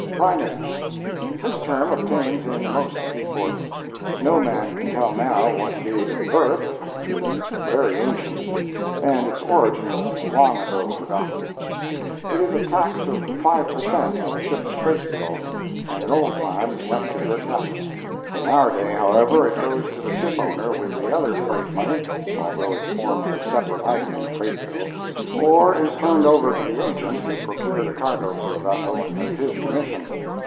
"Primage"—This term obtains in most seaports. No man can tell now what gave it birth, for it is very ancient, and its origin is long ago forgotten. It is a tax of five per cent. on a ship's freight bills, and in old times went to her captain. In our day, however, it goes to the ship owner with the other freight money (although it forms a separate item in the freight bill), or is turned over to the agent who procured a cargo for a vessel, as his commission.